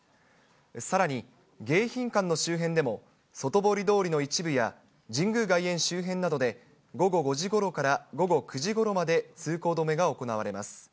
さらに迎賓館の周辺でも、外堀通りの一部や、神宮外苑周辺などで、午後５時ごろから午後９時ごろまで通行止めが行われます。